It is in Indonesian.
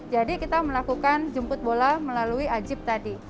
jadi kita melakukan jemput bola melalui ajib tadi